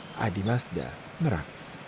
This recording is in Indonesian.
saya yakin yang nanti sudah sering golpe